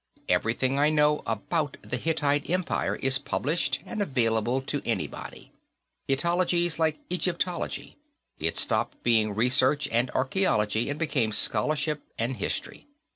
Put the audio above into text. Everything I know about the Hittite Empire is published and available to anybody. Hittitology's like Egyptology; it's stopped being research and archaeology and become scholarship and history.